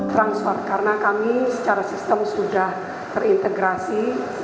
transfer karena kami secara sistem sudah terintegrasi